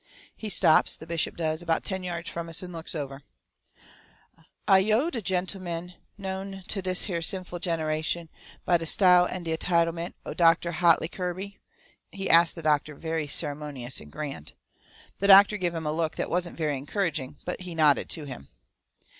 He stops, the bishop does, about ten yards from us and looks us over. "Ah yo' de gennleman known ter dis hyah sinful genehation by de style an' de entitlemint o' Docto' Hahtley Kirby?" he asts the doctor very ceremonious and grand. The doctor give him a look that wasn't very encouraging, but he nodded to him.